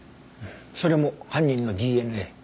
それも犯人のＤＮＡ？